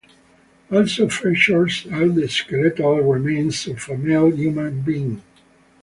Also featured are the skeletal remains of a male human being.